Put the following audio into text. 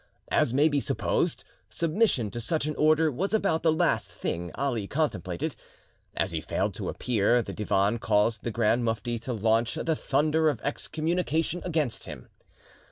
As may be supposed, submission to such an order was about the last thing Ali contemplated. As he failed to appear, the Divan caused the Grand Mufti to launch the thunder of excommunication against him.